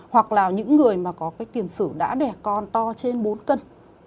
hoặc là những người mà có cái tiền sử đã đẻ con to trên bốn cân